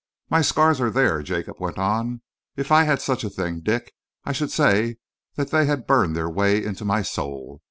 "My scars are there," Jacob went on. "If I had such a thing, Dick, I should say that they had burned their way into my soul.